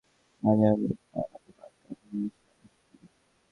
মানে, আমি পালাতে পারতাম মরিশাস থেকে।